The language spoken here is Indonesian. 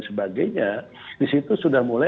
sebagainya disitu sudah mulai